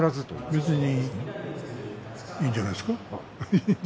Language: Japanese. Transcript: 別にいいんじゃないですか。